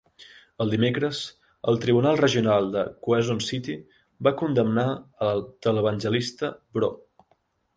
El dimecres, el Tribunal Regional de Quezon City, va condemnar el televangelista Bro.